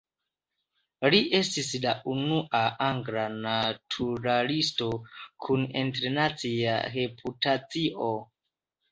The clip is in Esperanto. Li estis la unua angla naturalisto kun internacia reputacio.